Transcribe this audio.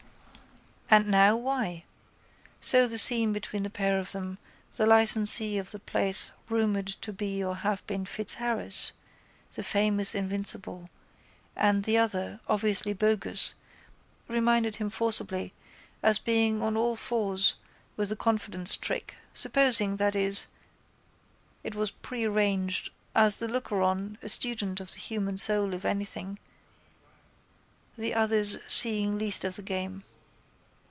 And now, why? So the scene between the pair of them, the licensee of the place rumoured to be or have been Fitzharris, the famous invincible, and the other, obviously bogus, reminded him forcibly as being on all fours with the confidence trick, supposing, that is, it was prearranged as the lookeron, a student of the human soul if anything, the others seeing least of the game.